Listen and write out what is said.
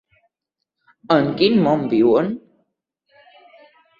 En quin món viuen?